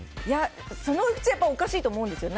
そのうちおかしいと思うんですよ。